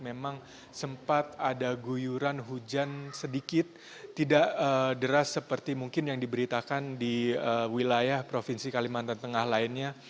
memang sempat ada guyuran hujan sedikit tidak deras seperti mungkin yang diberitakan di wilayah provinsi kalimantan tengah lainnya